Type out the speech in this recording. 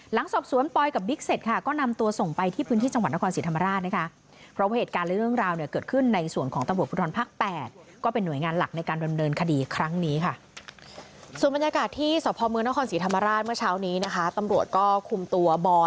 สอบสวนปอยกับบิ๊กเสร็จค่ะก็นำตัวส่งไปที่พื้นที่จังหวัดนครศรีธรรมราชนะคะ